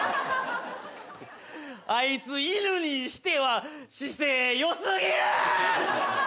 あいつ犬にしては姿勢よすぎる！